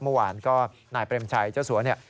เมื่อวานก็นายเปรมชัยเจ้าสัวเนี่ย